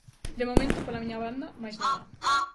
De momento, pola miña banda, máis nada.